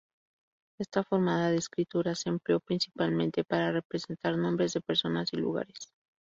Esta forma de escritura se empleó principalmente para representar nombres de personas y lugares.